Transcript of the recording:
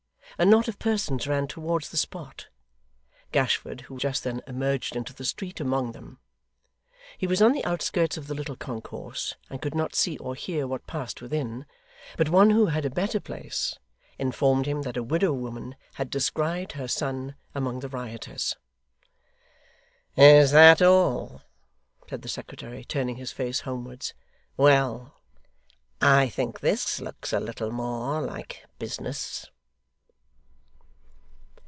A knot of persons ran towards the spot; Gashford, who just then emerged into the street, among them. He was on the outskirts of the little concourse, and could not see or hear what passed within; but one who had a better place, informed him that a widow woman had descried her son among the rioters. 'Is that all?' said the secretary, turning his face homewards. 'Well! I think this looks a little more like business!